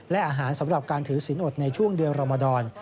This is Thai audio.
และอาหารสำหรับการถือสินอดในช่วงเดือนรมดร